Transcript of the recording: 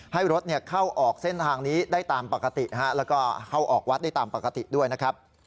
ให้รถเข้าออกเส้นทางนี้ได้ตามปกติแล้วก็เข้าออกวัดได้ตามปกติด้วยนะครับ